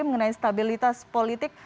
mengenai stabilitas politik